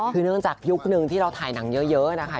คือเนื่องจากยุคนึงที่เราถ่ายหนังเยอะนะคะ